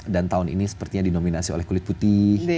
dan tahun ini sepertinya dinominasi oleh kulit putih